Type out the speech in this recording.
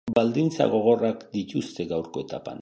Baldintza gogorrak dituzte gaurko etapan.